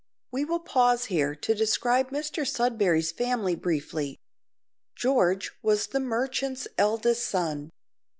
We will pause here to describe Mr Sudberry's family briefly. George was the merchant's eldest son.